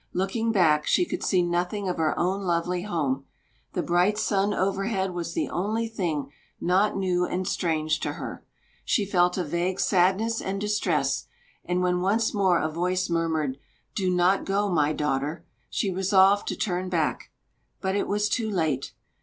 Looking back, she could see nothing of her own lovely home. The bright sun overhead was the only thing not new and strange to her. She felt a vague sadness and distress; and when once more a voice murmured: "Do not go, my daughter," she resolved to turn back, but it was too late.